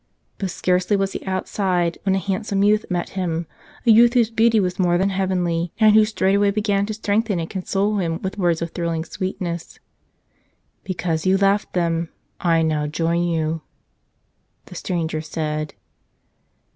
But scarcely was he outside when a handsome youth met him, a youth whose beauty was more than heavenly, and who straightway began to strengthen and console him with words of thrilling sweetness. "Because you left them, I now join you," the stranger said.